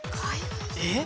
えっ？